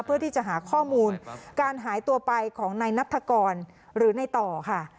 เพื่อที่จะหาข้อมูลการหายตัวไปของนายนัฐกรหรือในต่อค่ะ